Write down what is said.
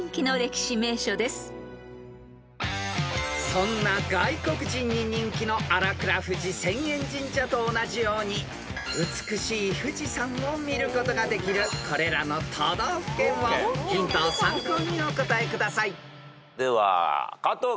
［そんな外国人に人気の新倉富士浅間神社と同じように美しい富士山を見ることができるこれらの都道府県をヒントを参考にお答えください］では加藤君。